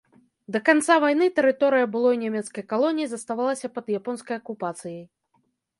Да канца вайны тэрыторыя былой нямецкай калоніі заставалася пад японскай акупацыяй.